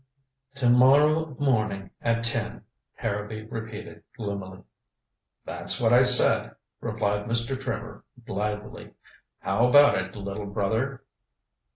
"To morrow morning at ten," Harrowby repeated gloomily. "That's what I said," replied Mr. Trimmer blithely. "How about it, little brother?"